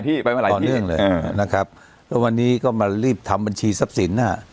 ต่อเนื่องเลยนะครับวันนี้ก็มารีบทำบัญชีทรัพย์สินฯนะฮะ